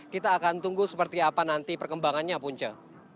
kita akan tunggu seperti apa nanti perkembangannya punca